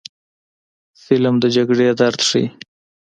فلم د جګړې درد ښيي